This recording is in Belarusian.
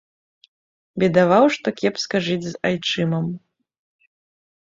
Бедаваў, што кепска жыць з айчымам.